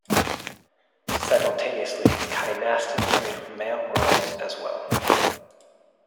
Simultaneously, Kynaston played male roles as well.